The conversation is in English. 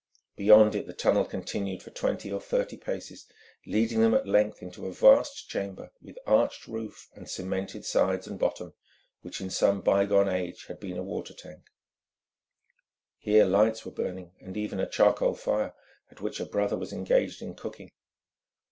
Beyond it the tunnel continued for twenty or thirty paces, leading them at length into a vast chamber with arched roof and cemented sides and bottom, which in some bygone age had been a water tank. Here lights were burning, and even a charcoal fire, at which a brother was engaged in cooking.